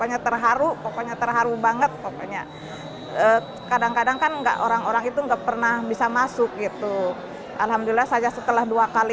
ya allah ya allah